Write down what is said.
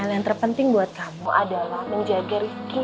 yang terpenting buat kamu adalah menjaga rifki